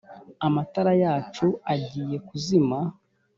amatara yacu agiye kuzima